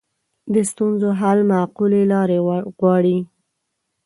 د ستونزو حل معقولې لارې غواړي